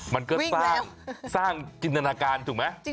มันก็สร้างจินตนาการถูกไหม